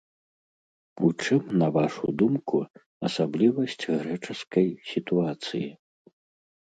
У чым, на вашу думку, асаблівасць грэчаскай сітуацыі?